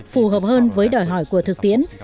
phù hợp hơn với đòi hỏi của thực tiễn